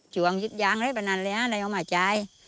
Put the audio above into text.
จ่วงหยุดยางได้ประมาณนั้นเลยอะไรออกมาจ่าย